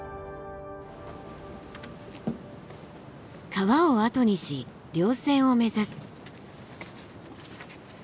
川を後にし稜線を目指す。